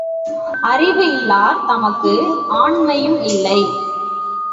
அறிவு இல்லார் தமக்கு ஆண்மையும் இல்லை.